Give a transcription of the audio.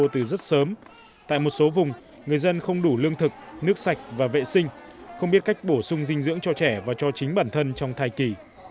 từ rất sớm tại một số vùng người dân không đủ lương thực nước sạch và vệ sinh không biết cách bổ sung dinh dưỡng cho trẻ và cho chính bản thân trong thai kỳ